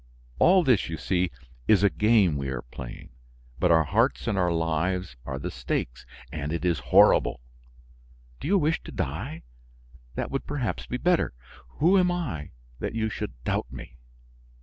All this, you see, is a game we are playing; but our hearts and our lives are the stakes, and it is horrible! Do you wish to die? That would, perhaps, be better. Who am I that you should doubt me?"